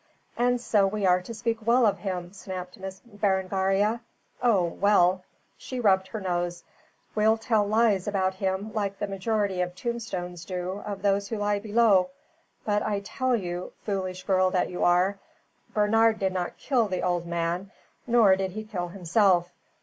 "And so we are to speak well of him," snapped Miss Berengaria. "Oh, well" she rubbed her nose "we'll tell lies about him like the majority of tombstones do of those who lie below, but I tell you, foolish girl that you are, Bernard did not kill the old man, nor did he kill himself."